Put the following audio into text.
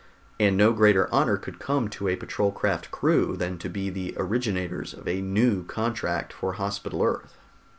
And no greater honor could come to a patrol craft crew than to be the originators of a new contract for Hospital Earth.